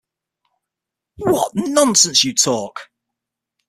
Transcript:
What nonsense you talk!